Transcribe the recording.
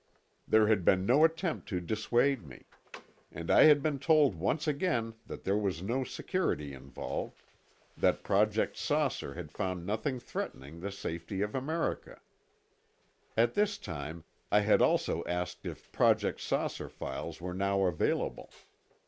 There had been no attempt to dissuade me. And I had been told once again that there was no security involved; that Project "Saucer" had found nothing threatening the safety of America. At this time I had also asked if Project "Saucer" files were now available.